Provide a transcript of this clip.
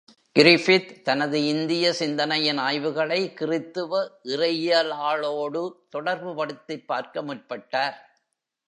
Griffith தனது இந்திய சிந்தனையின் ஆய்வுகளை கிறித்துவ இறையியலாளோடு தொடர்புபடுத்திப் பார்க்க முற்பட்டார்.